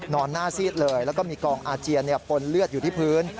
หน้าซีดเลยแล้วก็มีกองอาเจียนปนเลือดอยู่ที่พื้น